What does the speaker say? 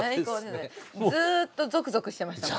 ずっとぞくぞくしてましたもん。